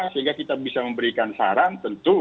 sehingga kita bisa memberikan saran tentu